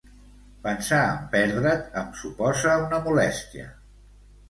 Pensar en perdre't em suposa una molèstia.